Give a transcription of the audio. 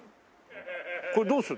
これどうする？